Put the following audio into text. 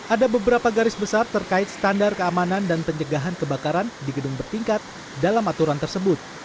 ada beberapa garis besar terkait standar keamanan dan pencegahan kebakaran di gedung bertingkat dalam aturan tersebut